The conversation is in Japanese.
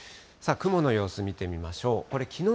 雲の様子、見てみましょう。